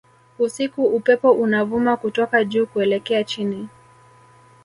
Usiku upepo unavuma kutoka juu kuelekea chini